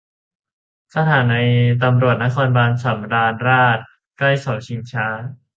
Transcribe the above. สถานีตำรวจนครบาลสำราญราษฎร์ ใกล้เสาชิงช้า